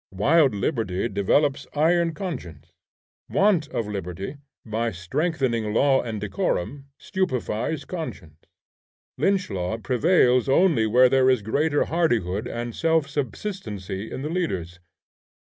Wild liberty develops iron conscience. Want of liberty, by strengthening law and decorum, stupefies conscience. 'Lynch law' prevails only where there is greater hardihood and self subsistency in the leaders.